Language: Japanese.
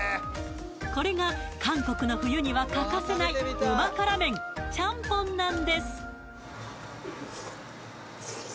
これが韓国の冬には欠かせないうま辛麺チャンポンなんです